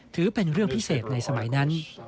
ถือเป็นเรื่องพิเศษในสมัยนั้น